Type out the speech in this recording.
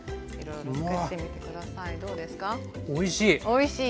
おいしい！